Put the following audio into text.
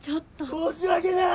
申し訳ない！